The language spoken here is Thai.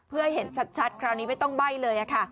เพื่อให้เห็นชัดคราวนี้ไม่ต้องใบ้เลย